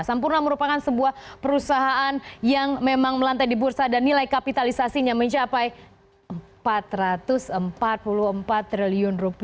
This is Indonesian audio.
sampurna merupakan sebuah perusahaan yang memang melantai di bursa dan nilai kapitalisasinya mencapai rp empat ratus empat puluh empat triliun